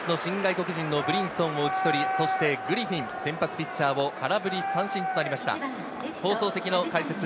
ただこの回の先頭、ジャイアンツの新外国人のブリンソンを打ち取り、そしてグリフィン、先発ピッチャーを空振り三振となりました。